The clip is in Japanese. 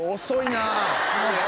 遅いなあ！